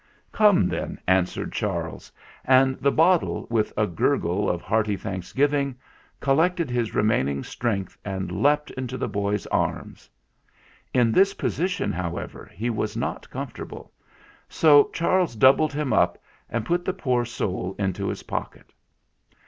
"Come, then," answered Charles; and the bottle, with a gurgle of hearty thanksgiving, collected his remaining strength and leapt into the boy's arms. In this position, however, he was not comfortable, so Charles doubled him up and put the poor soul into his pocket.